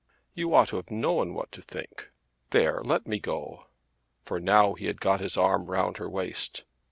"You ought to have known what to think. There; let me go," for now he had got his arm round her waist.